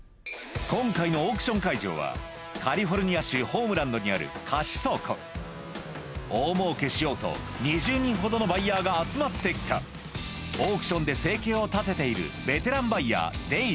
今回のオークション会場はにある貸倉庫大もうけしようと２０人ほどのバイヤーが集まって来たオークションで生計を立てているベテランバイヤー